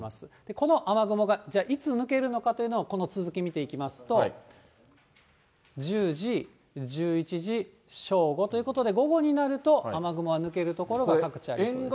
この雨雲が、じゃあいつ抜けるのかというのは、この続き見ていきますと、１０時、１１時、正午ということで、午後になると、雨雲は抜ける所が各地ありそうです。